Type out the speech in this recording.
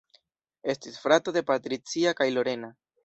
Estis frato de Patricia kaj Lorena.